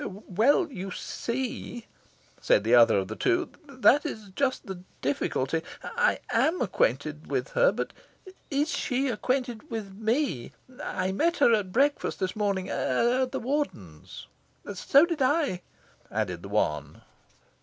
"Well, you see," said the other of the two, "that is just the difficulty. I AM acquainted with her. But is she acquainted with ME? I met her at breakfast this morning, at the Warden's." "So did I," added the one.